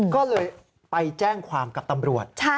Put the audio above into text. ก็เลยไปแจ้งความกับตำรวจ